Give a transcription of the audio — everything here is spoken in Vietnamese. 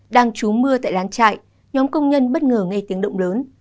đang trú mưa tại lán chạy nhóm công nhân bất ngờ nghe tiếng động lớn